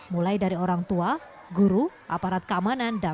mulai dari orang tua guru aparat keamanan dan